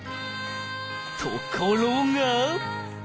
ところが。